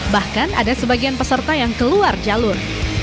bahkan ada sebagian peserta yang keluar jalur